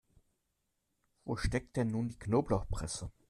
Wo steckt denn nun die Knoblauchpresse?